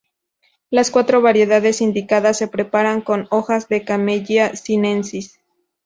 Las cuatro variedades indicadas se preparan con hojas de "Camellia sinensis.